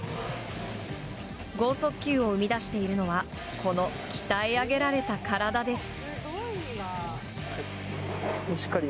豪速球を生み出しているのはこの鍛え上げられた体です。